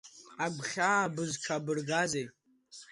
Агәхьаа быҽзабыргазеи?